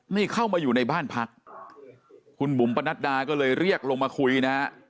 นี่เข้ามาอยู่ในบ้านพักคุณบุ๋มปนัดดาก็เลยเรียกลงมาคุยนะฮะ